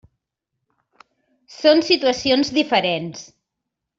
Són situacions diferents.